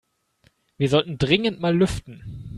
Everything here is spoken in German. Wir sollten dringend mal lüften.